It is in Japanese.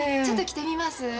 ちょっと着てみます？